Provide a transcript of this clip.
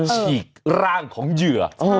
ฉีกร่างของเหยื่อ